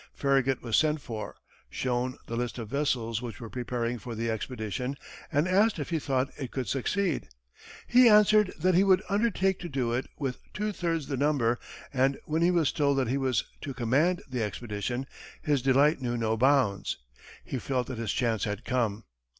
Farragut was sent for, shown the list of vessels which were preparing for the expedition, and asked if he thought it could succeed. He answered that he would undertake to do it with two thirds the number, and when he was told that he was to command the expedition, his delight knew no bounds. He felt that his chance had come.